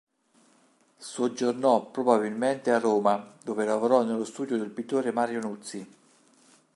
Soggiornò probabilmente a Roma, dove lavorò nello studio del pittore Mario Nuzzi.